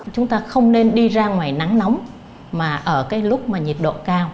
chúng ta không nên đi ra ngoài nắng nóng mà ở cái lúc mà nhiệt độ cao